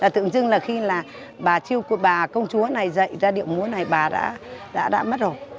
thực chừng là khi là bà công chúa này rạy ra điệu múa này bà đã mất rồi